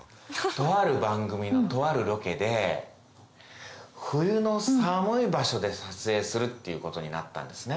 とある番組のとあるロケで冬の寒い場所で撮影するっていうことになったんですね。